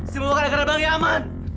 semoga negara bang yaman